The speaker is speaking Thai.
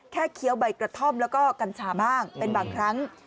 เคี้ยวใบกระท่อมแล้วก็กัญชาบ้างเป็นบางครั้ง